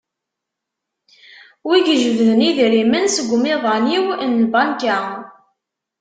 Wi ijebden idrimen seg umiḍan-iw n tbanka?